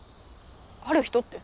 「ある人」って？